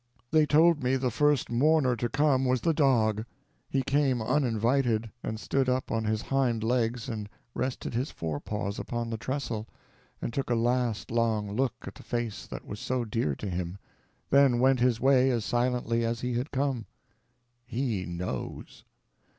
They told me the first mourner to come was the dog. He came uninvited, and stood up on his hind legs and rested his fore paws upon the trestle, and took a last long look at the face that was so dear to him, then went his way as silently as he had come. _He knows.